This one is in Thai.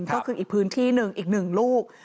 ก็คืออีกพื้นที่หนึ่งอีก๑ลูก